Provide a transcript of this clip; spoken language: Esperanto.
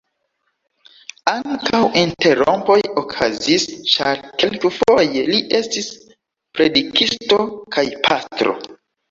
Ankaŭ interrompoj okazis, ĉar kelkfoje li estis predikisto kaj pastro.